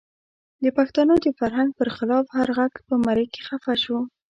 د پښتنو د فرهنګ پر خلاف هر غږ په مرۍ کې خفه شو.